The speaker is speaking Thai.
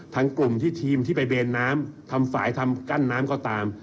กลุ่มที่ทีมที่ไปเบนน้ำทำฝ่ายทำกั้นน้ำก็ตาม